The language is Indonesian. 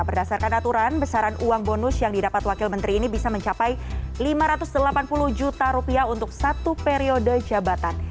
berdasarkan aturan besaran uang bonus yang didapat wakil menteri ini bisa mencapai lima ratus delapan puluh juta rupiah untuk satu periode jabatan